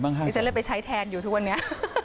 ที่ฉันเลยไปใช้แทนอยู่ทุกวันนี้